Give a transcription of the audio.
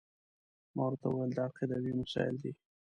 ما ورته وویل دا عقیدوي مسایل دي.